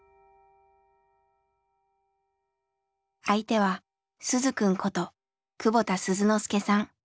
相手は鈴くんこと久保田鈴之介さん。